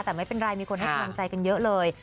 แต่ไม่เป็นไรมีคนให้กำลังใจกันเยอะเลย